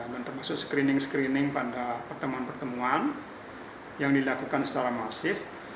dan termasuk screening screening pada pertemuan pertemuan yang dilakukan secara masif